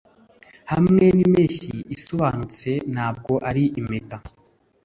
hamwe n'impeshyi-isobanutse ntabwo ari impeta.